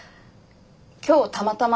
今日たまたま。